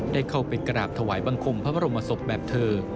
ได้เข้าไปกราบถวายบังคมพระบรมศพแบบเธอ